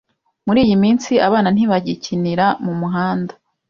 Muri iyi minsi, abana ntibagikinira mumuhanda.